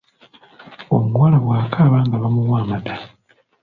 Omuwala bw’akaaba nga bamuwa amata.